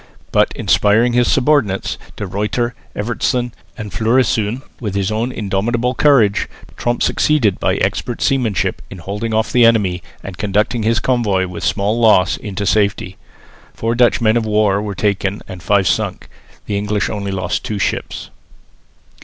But, inspiring his subordinates De Ruyter, Evertsen and Floriszoon with his own indomitable courage, Tromp succeeded by expert seamanship in holding off the enemy and conducting his convoy with small loss into safety. Four Dutch men of war were taken and five sunk; the English only lost two ships.